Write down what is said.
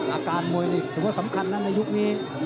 อาการมวยนี่ถือว่าสำคัญนะในยุคนี้